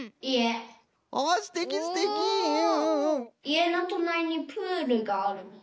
いえのとなりにプールがあるの。